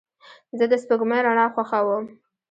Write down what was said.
زه د سپوږمۍ رڼا خوښوم.